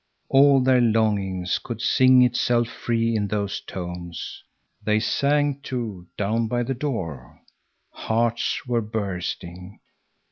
All their longing could sing itself free in those tones. They sang, too, down by the door. Hearts were bursting.